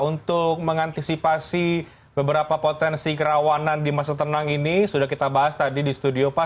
untuk mengantisipasi beberapa potensi kerawanan di masa tenang ini sudah kita bahas tadi di studio pak